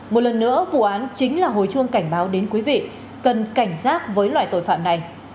một lần nữa vụ án chính là hồi chuông cảnh báo đến quý vị cần cảnh giác với loại tội phạm này